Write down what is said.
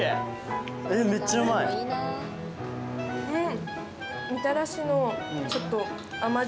うん！